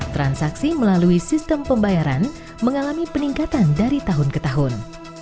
transaksi melalui sistem pembayaran mengalami peningkatan dari tahun ke tahun